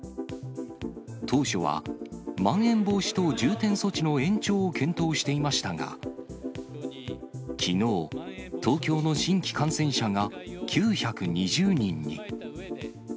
当初は、まん延防止等重点措置の延長を検討していましたが、きのう、東京の新規感染者が９２０人に。